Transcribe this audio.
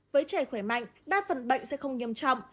với trẻ khỏe mạnh đa phần bệnh sẽ không nghiêm trọng